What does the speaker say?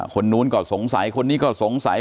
คนนู้นก็สงสัยคนนี้ก็สงสัย